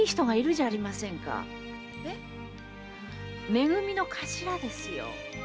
め組の頭ですよ。